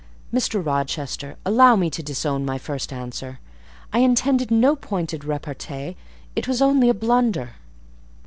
"Mr. Rochester, allow me to disown my first answer: I intended no pointed repartee: it was only a blunder."